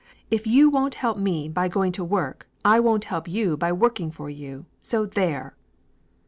If you won't help me by going to work I won't help you by working for you so there!"